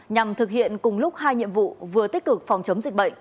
nhằm thực hiện cùng lúc hai nhiệm vụ vừa tích cực phòng chống dịch bệnh